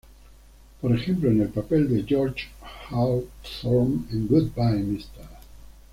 Por ejemplo en el papel de George Hawthorne en "Goodbye Mr.